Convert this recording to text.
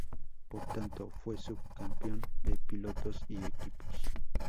Por tanto, fue subcampeón de pilotos y equipos.